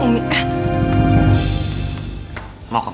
mau kemana malam dua